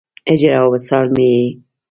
هجر او وصال مې یې